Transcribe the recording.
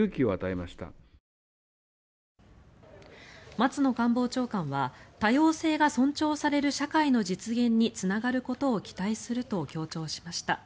松野官房長官は多様性が尊重される社会の実現につながることを期待すると強調しました。